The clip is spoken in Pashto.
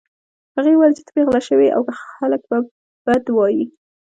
هغه وویل چې ته پیغله شوې يې او خلک به بد وايي